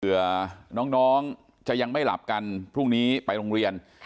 น้องจะยังไม่หลับกันพรุ่งนี้ไปโรงเรียน